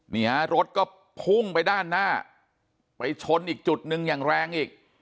นี่ฮะรถก็พุ่งไปด้านหน้าไปชนอีกจุดหนึ่งอย่างแรงอีก